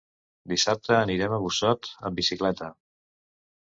Dissabte anirem a Busot amb bicicleta.